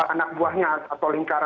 anak buahnya atau lingkaran